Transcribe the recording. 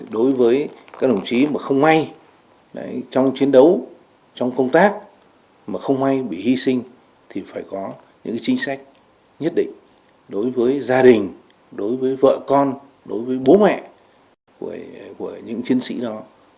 đối với các đồng chí mà không may trong chiến đấu trong công tác mà không may bị hy sinh thì phải có những chính sách nhất định đối với gia đình đối với vợ con đối với bố mẹ của những chiến sĩ đó